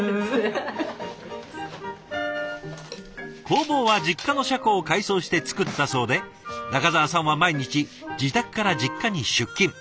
工房は実家の車庫を改装して作ったそうで仲澤さんは毎日自宅から実家に出勤。